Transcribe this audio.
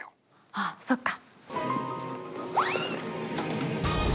あっそっか！